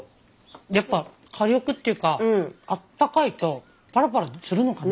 やっぱ火力っていうかあったかいとパラパラするのかな？